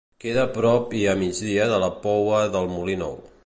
Queda a prop i a migdia de la Poua del Molí Nou.